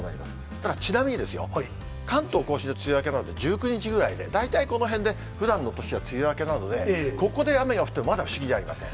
ただ、ちなみにですよ、関東甲信の梅雨明けまで１９日ぐらいで、大体このへんでふだんの年は梅雨明けなので、ここで雨が降ってもまだ不思議じゃありません。